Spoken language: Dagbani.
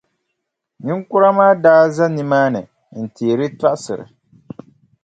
Niŋkura gba daa za nimaani n-teeri tɔɣisiri.